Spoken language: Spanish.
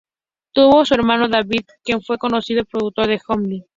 Tuvo un hermano, David Shaw, que fue un conocido productor en Hollywood.